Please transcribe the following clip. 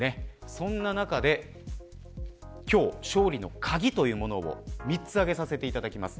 そんな中で今日、勝利の鍵というものを３つ挙げさせていただきました。